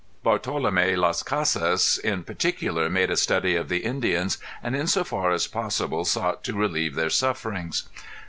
Bartolom├® Las Casas in particular made a study of the Indians and in so far as possible sought to relieve their sufferings.